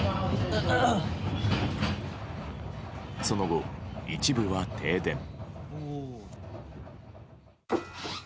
その後、一部は停電。